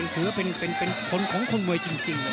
ถือว่าเป็นคนของคนมวยจริง